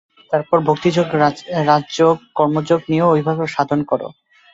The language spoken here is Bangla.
তারপর ভক্তিযোগ, রাজযোগ, কর্মযোগ নিয়েও ঐভাবে সাধন কর।